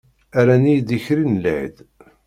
Rran-iyi d ikerri n lɛid!